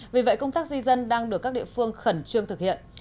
vì vậy công tác di dân đang được các địa phương khẩn trương thực hiện